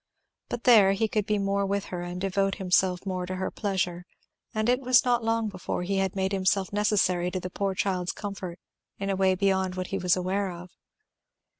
But there he could be more with her and devote himself more to her pleasure; and it was not long before he had made himself necessary to the poor child's comfort in a way beyond what he was aware of.